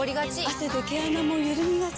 汗で毛穴もゆるみがち。